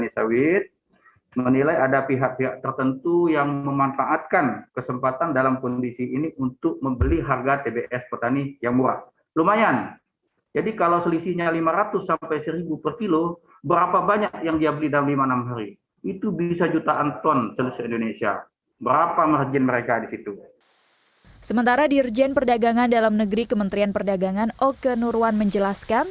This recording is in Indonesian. sementara dirjen perdagangan dalam negeri kementerian perdagangan oke nurwan menjelaskan